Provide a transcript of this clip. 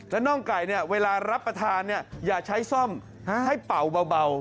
แล้วน่องไก่เวลารับประทานอย่าใช้ซ่อมให้เป่าเบา